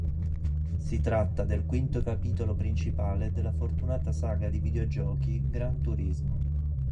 Si tratta del quinto capitolo principale della fortunata saga di videogiochi "Gran Turismo".